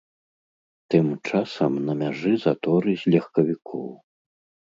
Тым часам на мяжы заторы з легкавікоў.